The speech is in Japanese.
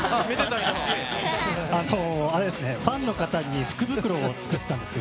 ファンの方にグッズの福袋を作ったんです。